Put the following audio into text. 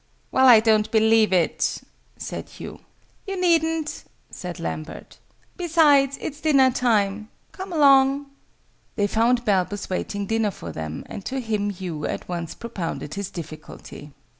"Well, I don't believe it," said Hugh. "You needn't," said Lambert. "Besides, it's dinner time. Come along." They found Balbus waiting dinner for them, and to him Hugh at once propounded his difficulty.